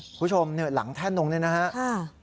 คุณผู้ชมหลังแท่นวงด้วยนะครับ